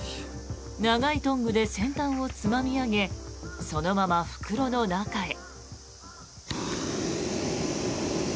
長いトングで先端をつまみ上げそのまま袋の中へ。